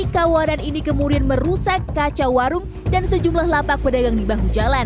kawanan ini kemudian merusak kaca warung dan sejumlah lapak pedagang di bahu jalan